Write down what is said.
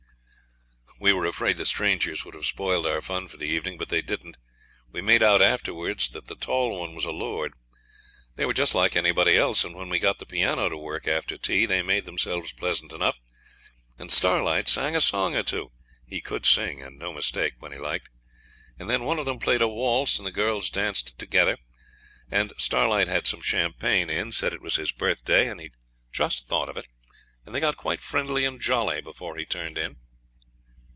We were afraid the strangers would have spoiled our fun for the evening, but they didn't; we made out afterwards that the tall one was a lord. They were just like anybody else, and when we got the piano to work after tea they made themselves pleasant enough, and Starlight sang a song or two he could sing, and no mistake, when he liked and then one of them played a waltz and the girls danced together, and Starlight had some champagne in, said it was his birthday, and he'd just thought of it, and they got quite friendly and jolly before we turned in.